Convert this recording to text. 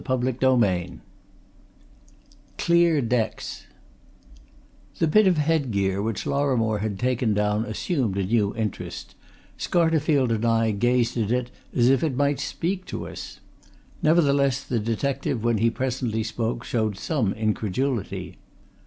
CHAPTER XXV CLEAR DECKS The bit of head gear which Lorrimore had taken down assumed a new interest; Scarterfield and I gazed at it as if it might speak to us. Nevertheless the detective when he presently spoke showed some incredulity.